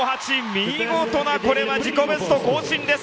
見事な自己ベスト更新です。